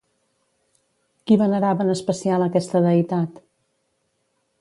Qui venerava en especial aquesta deïtat?